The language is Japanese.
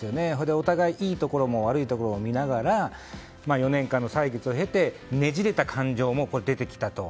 お互い、いいところも悪いところも見ながら４年間の歳月を経てねじれた感情も出てきたと。